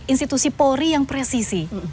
institusi polri yang presisi